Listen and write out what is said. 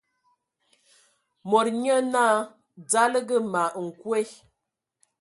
Mod nyé naa: "Dzalǝga ma nkwe !".